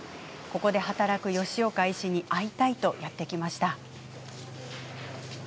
ここで働く吉岡医師に会いたいとやって来ました。